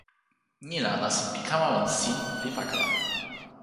ni la nasin pi kama lon sin li pakala.